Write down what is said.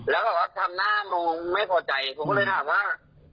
แล้วแบบว่าทำหน้ามองไม่พอใจผมก็เลยถามว่า